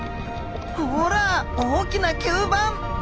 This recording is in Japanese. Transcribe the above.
ほら大きな吸盤！